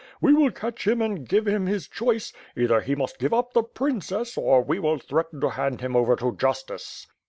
We will catch him and give him his choice; either he must give up the princess, or we will threaten to hand him over to justice."